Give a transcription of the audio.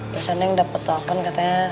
biasanya yang dapat token katanya